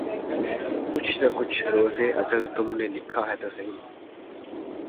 کچھ نہ کچھ روزِ ازل تم نے لکھا ہے تو سہی